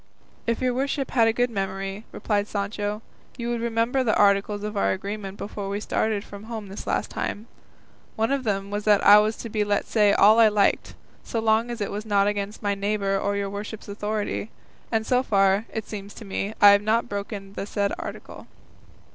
"If your worship had a good memory," replied Sancho, "you would remember the articles of our agreement before we started from home this last time; one of them was that I was to be let say all I liked, so long as it was not against my neighbour or your worship's authority; and so far, it seems to me, I have not broken the said article."